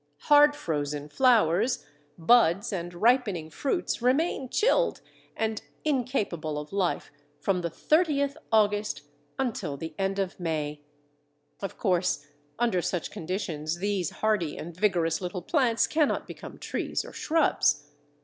Hard frozen flowers, buds, and ripening fruits remain chilled and incapable of life from the 30th August until the end of May. Of course, under such conditions, these hardy and vigorous little plants cannot become trees or shrubs.